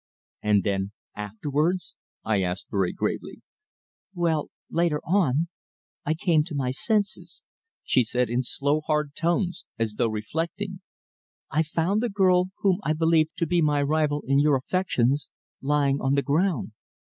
"And then afterwards?" I asked very gravely. "When, later on I came to my senses," she said in slow, hard tones, as though reflecting, "I found the girl whom I believed to be my rival in your affections lying on the ground.